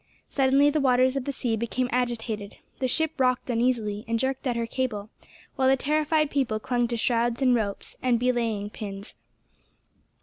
Suddenly the waters of the sea became agitated. The ship rocked uneasily, and jerked at her cable, while the terrified people clung to shrouds and ropes, and belaying pins.